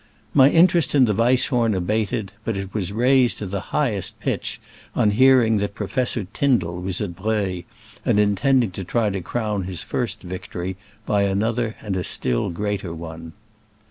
My interest in the Weisshorn abated, but it was raised to the highest pitch on hearing that Professor Tyndall was at Breuil, and intending to try to crown his first victory by another and a still greater one.